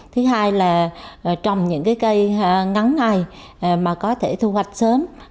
thứ hai là trồng những cây ngắn ngày mà có thể thu hoạch sớm